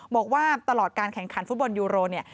บอกว่าตลอดการแข่งขันฟุตบอลยูโรเนี่ย